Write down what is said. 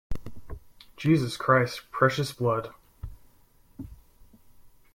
Jesus Christ, Precious blood!